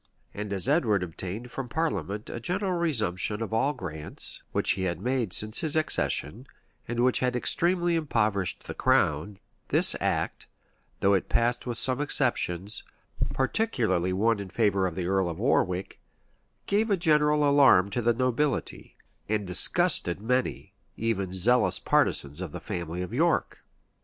And as Edward obtained from parliament a general resumption of all grants, which he had made since his accession, and which had extremely impoverished the crown,[*] this act, though it passed with some exceptions, particularly one in favor of the earl of Warwick, gave a general alarm to the nobility, and disgusted many, even zealous partisans of the family of York.